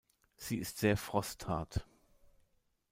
Sie ist sehr frosthart.